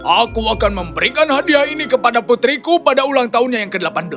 aku akan memberikan hadiah ini kepada putriku pada ulang tahunnya yang ke delapan belas